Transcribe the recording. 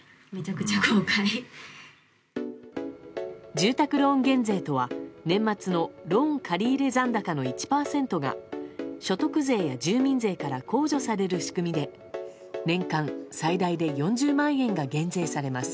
住宅ローン減税とは年末のローン借り入れ残高の１％が、所得税や住民税から控除される仕組みで年間最大で４０万円が減税されます。